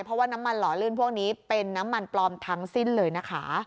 เพราะว่าน้ำมันหล่อลื่นพวกนี้เป็นน้ำมันปลอมทั้งสิ้นเลยนะคะ